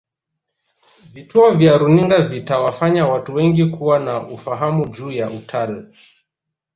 vituo vya runinga vitawafanya watu wengi kuwa na ufahamu juu ya utal